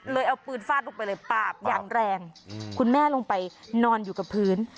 เอาปืนฟาดลงไปเลยปากอย่างแรงคุณแม่ลงไปนอนอยู่กับพื้น